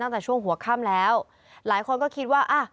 ตั้งแต่ช่วงหัวค่ำแล้วหลายคนก็คิดว่าอ่ะ